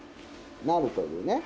なるというね。